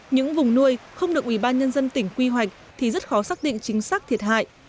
những vùng nuôi không được ủy ban nhân dân tỉnh quy hoạch thì rất khó xác định chính xác thiệt hại